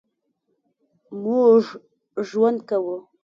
مونږ ژوند کوو